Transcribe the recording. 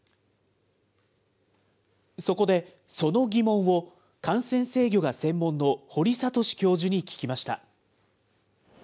そこで、その疑問を感染制御が専門の堀賢教授に聞きました。